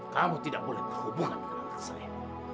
kamu tidak boleh berhubungan dengan anak saya